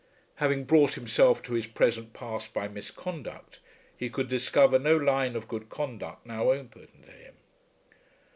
Having brought himself to his present pass by misconduct, he could discover no line of good conduct now open to him.